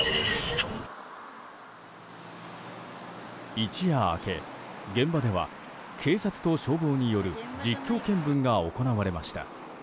一夜明け現場では警察と消防による実況見分が行われました。